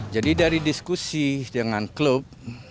jadi dari diskusi dengan klub